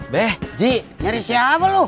beh ji nyari siapa loh